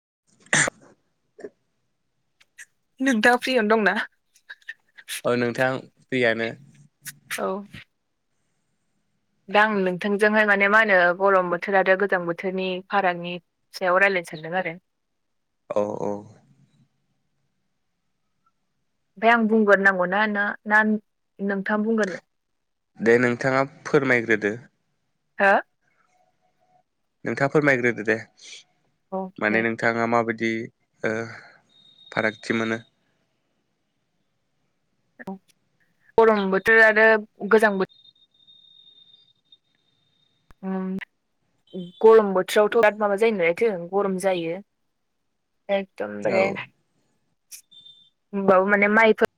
[inaudible] नों दा फ्रिआवनो दंना ओ नोंथां फ्रियानो औ दा आं नोंथांजोंहाय माने मा होनो गरम बोथोर आरो गोजां बोथोरनि फारागनि सायाव रायजलाय आरो औ औ आमफाय आं बुंग्रोनांगौना न ना नोंथांआ बुंगोन दे नोंथांआ फोरमायग्रोदो हो नोंथाआ फोरमायग्रोदो दे औ दे माने नोंथांआ माबादि ओ फारागथि मोनो गरम बोथोर आरो गोजां बो औ गरम बोथोरावथ' बिराद माबा जायो नालायथो गरम जायो औ एकदमबारे होमबाबो माने माइफोर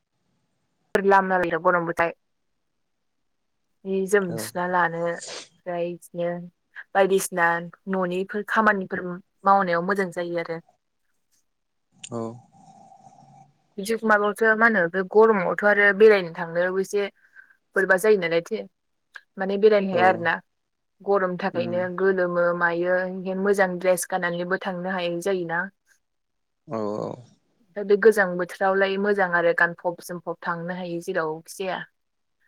फोर लामला बायो गरमबाथाय हि जोम औ सुना लानो ओमफाय बिदिनो बायदिसिना न'निफोर खामानिफोर मावनायाव मोजां जायो आरो [inaudible] ओ थिग माबाआवसो मा होनो बे गरमावथ' आरो बेरायनो थांनोबो एसे बोरैबा जायो नालाय थो माने बेरायनो औ हाया आरोना गरमनि थाखायनो उम गोलोमो मायो मोजां द्रेस गानानैबो थांनो हायै जायोना औ औ मोजां बोथोरावलाय मोजां आरो गानफब जोमफब थांनो हायो जेरावखि जाया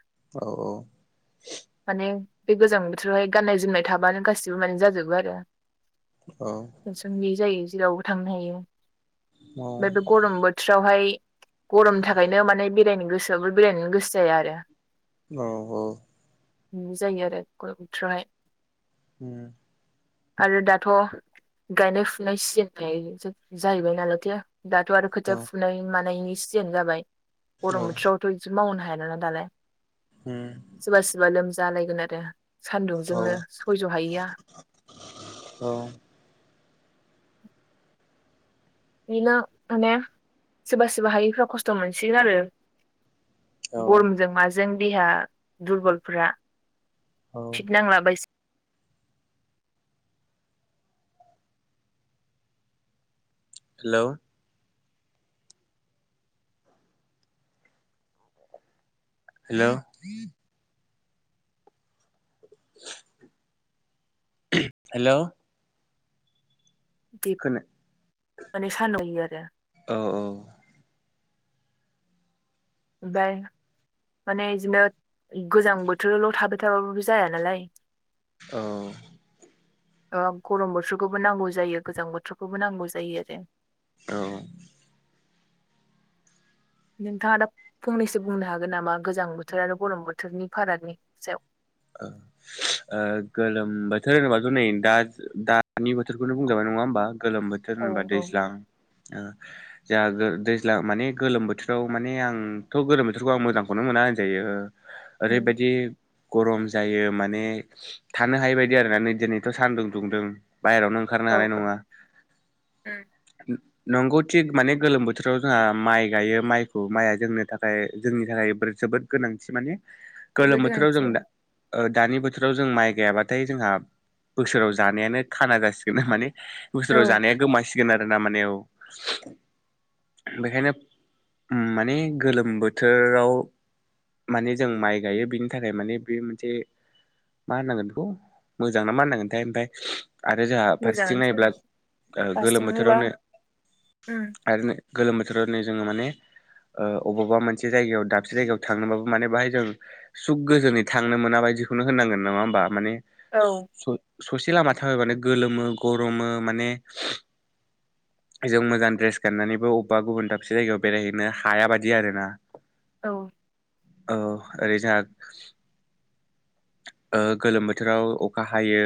औ माने बे गोजां बोथोरावहाय गाननाय जोमनाय थाबानो गासिबो माने जाजोबो आरो औ थेंसन गैयै जायो जेरावबो थांनो हायो आमफाय बे औ गरम बो बावहाय गरमनि थाखायनो माने बेरायनो गोसो जाबाबो बेरायनो गोसो जाया आरो औ औ उम जायो आरो गरम बोथोरावहाय होम आरो दाथ' गायनाय फुनाय सिजेन जाहैबाय नालायथो दाथ' आरो खो थिआ औ फुनाय मानायनि सिजोन जाबाय औ गरम बोथोरावथ' बिदि मावनो हायाानालाय दालाय उम सोरबा सोरबा लोमजालायगोन आरो औ सानदुंजोंनो सयज' हायैआ बिदिनो माने सोरबा सोरबा हायिफ्रा खस्थ' मोनसिगोन आरो औ गरमजों माजों देहा दुरब'लफ्रा औ फिट नांला बायसि हेलौ हेलौ हेलौ खोना माने [unintelligible] आरो औ औ ओमफ्राय माने जेनबनो गोजां बोथोरल थाबाय थाबाबाबो जाया नालाय औ ओ गरम बोथोरखौबो नांगौ जायो गोजां बोथोरखौबो नांगौ जायो आरो औ नोंथाङा दा फंनैसो बुंनो हागोन नामा गोजां बोथोर आरो गरम बोथोरनि फारागनि सायाव ओ गोलोम बोथोर होनोबाथ' नै दा दानि बोथोरखौनो बुंजाबाय नङा होमबा गोलोम बोथोर औ होनबा औ दैज्लां जाहा दैज्लां माने गोलोम बोथोराव माने आंथ' गोलोम बोथोरखौ आं मोजांखौनो मोना [unintelligible] ओ उम ओरैबायदि गरम जायो माने थानो हायै बायदि आरोना नै दिनैथ' सानदुं दुंदों बायेरावनो ओंखारनो औ हानाय नङा उम नंगौ थिग माने गोलोम बोथोराव जोंहा माइ गायो माइखौ माइआ जोंनो थाखाय जोंनि थाखाय बो जोबोद गोनांथि माने जोबोद गोलोम बोथोराव गोनांथि जों दा ओं ओ दानि बोथोराव जों माइ गायाबाथाय जोंहा बोसोराव जानायानो खाना जासिगोन माने औ बोसोराव जानाया गोमासिगोन आरो ना माने औ बेखायनो माने गोलोम बोथोराव माने जों माइ गायो बिनि थाखाय माने बे मोनसे मा होननांगोन बेखौ मोजां ना मा होननांगोनथाय ओमफ्राय आरो जोंहा फारसेथिं मोजाङानोसै नायोब्ला ओ गोलोम फारसेथिंनिबा बोथोरावनो उम आरो गोलोम बोथोराव नै जोङो माने ओ अबावबा मोनसे जायगायाव दाबसे जायगायाव थांनोबाबो माने बाहाय जों सुख गोजोनै थांनो मोना बायदिखौनो होननांगोन नङा होमबा माने औ ससे लामा थाबायबानो गोलोमो गरमो माने जों मोजां ड्रेस गाननानैबो अबेबा गुबुन दाबसे जायगायाव बेरायहैनो हाया बादि आरो ना औ औ ओरै जा ओ गोलोम बोथोराव अखा हायो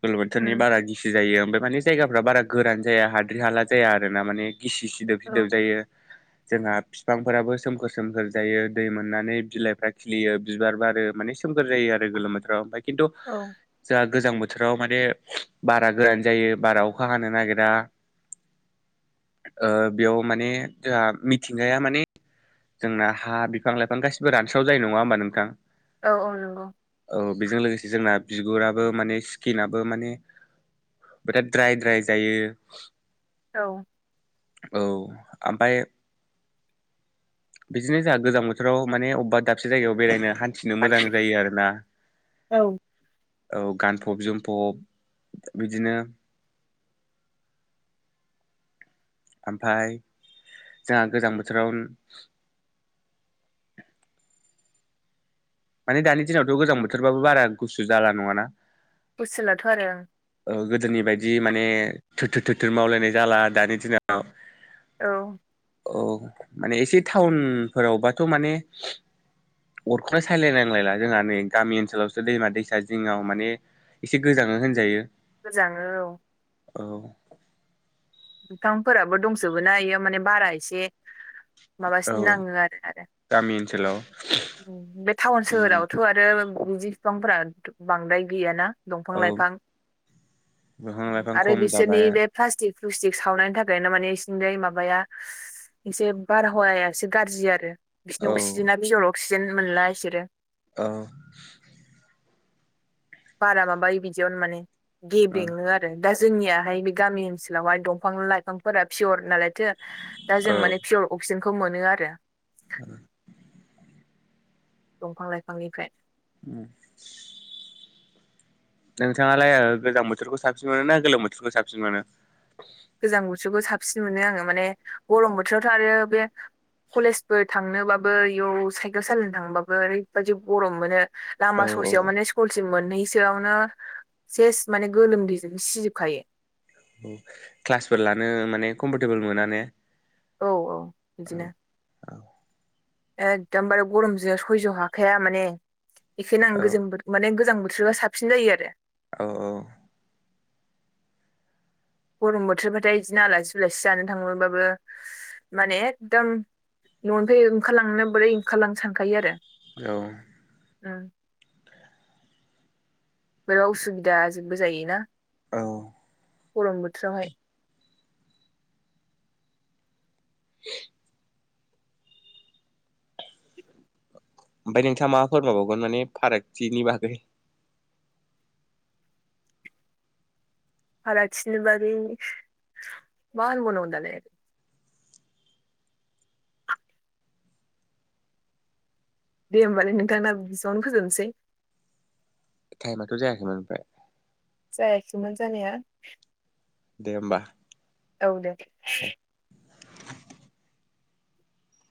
गोलोम बोथोरनि उम बारा गिसु जायो ओमफ्राय माने जायगाफ्रा बारा गोरान जाया हाद्रि हाला जाया आरोना माने गिसि सिदोब औ सिदोब जायो जोंहा बिफांफोराबो सोमखोर सोमखोर जायो दै मोननानै बिलाइफ्रा खिलियो बिबार बारो माने सोमखोर जायो आरो गोलोम बोथोराव बा खिन्थु औ जा गोजां बोथोराव माने बारा गोरान जायो बारा अखा हानो नागिरा ओ बेयाव माने जोंहा मिथिंगाया माने जोंना हा बिफां लाइफां गासिबो रानस्राव जायो नङा होमबा नों औ औ नंगौ औ बेजों लोगोसे जोंना बिगुराबो माने सिकिनाबो माने ओमफ्राय ड्राय ड्राय जायो औ औ ओमफ्राय बिदिनो जोंहा गोजां बोथोराव माने अबेबा दाबसे जायगायाव बेरायनो हान्थिनो मोजां जायो आरोना औ औ गानफब जोमफब बिदिनो [inaudible] ओमफाय जोंहा गोजां बोथोराव [inaudible] माने दानि दिनावथ' गोजां बोथोरबाबो बारा गुसु जाला नङाना गुसु जालाथ' आरो ओ गोदोनि बायदि माने थोर थोर मावलायनाय जाला दानि दिनाव औ औ माने एसे टाउनफोरावबाथ' माने अरखौनो सायलायनांलायला जोंहा नै गामि ओनसोलावसो दैमा दैसा जिङाव माने एसे गोजाङो होनजायो गोजाङो औ औ दंथांफोराबो दंजोबो ना इयो माने बारा एसे औ माबासिनो नाङो आरो आरो गामि ओनसोलाव बे टाउन उम सोहोरावथ' आरो बिदि बिफांफोरा बांद्राय गैयाना दंफां औ लाइफां बिफां लाइफां आरो खम बिसोरनि जाबाय बे प्लास्टिक प्लुस्टिक सावनायनि थाखायनो माने इसिनि जाय माबाया इसे बारहावाया एसे गाज्रि आरो बिसोरनि औ अक्सिजेना बिजर अक्सिजेन मोनला बिसोरो औ बारा माबायो बिदियावनो माने औ गेबेङो आरो दा जोंनियाहाय बे गामि ओनसोलावहाय दंफां लाइफांफोरा पियर नालाय माथो दा जों माने पियर अक्सिजेनखौ मोनो आरो औ दंफां लाइफांनिफ्राय उम नोंथाङालाय गोजां बोथोरखौ साबसिन मोनो ना गोलोम बोथोरखौ साबसिन मोनो गोजां बोथोरखौ साबसिन मोनो आङो माने गरम बोथोरावथ' आरो बे कलेजफोर थांनोबाबो इयाव साइकेल सालायनो थांबाबो ओरैबादि गरम मोनो लामा औ ससेयाव औ माने स्कुलसिम मोन नैसोआवनो सेस माने गोलोमदैजों सिजोबखायो क्लासफोर लानो माने कमफर्टेबोल मोना ने औ औ बिदिनो औ औ एकदमबारे गरमजों सयज' हाखाया माने बेखायनो औ आं गोजां माने गोजां बो साबसिन जायो आरो औ औ गरम बोथोरबाथाय बिदिनो आलासि उलासि जानो थाङोब बाबो माने एकदम न'निफ्राय ओंखारलांनो बोरै ओंखारलांनो सानखायो आरो औ औ बोरैबा उसुबिदाजोंबो जायोना औ गरम बोथोरावहाय [inaudible] ओमफ्राय नोंथाङा मा फोरमायबावगोन माने फारागथिनि बागै फारागथिनि बागै मा होनबाव नांगौ दालाय दे होमबालाय नोंथां एसेबांनो फोजोबसै टाइमाथ' जायाखैमोन ओमफ्राय जायाखैमोन जानाय दे होमबा औ दे